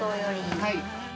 はい。